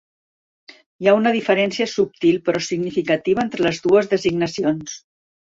Hi ha una diferència subtil però significativa entre les dues designacions.